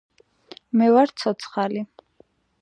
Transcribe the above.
მე ვარ ცოცხალი